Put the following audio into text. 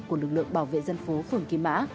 của lực lượng bảo vệ dân phố phường kim mã